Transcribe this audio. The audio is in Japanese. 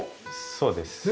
そうです。